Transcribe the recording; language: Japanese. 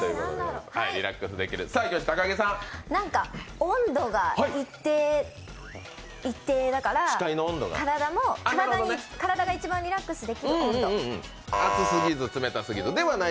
温度が一定だから体が一番リラックスできる温度。